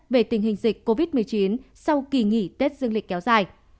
về tình hình dịch covid một mươi chín sau kỳ nghỉ tết dương lịch kéo dài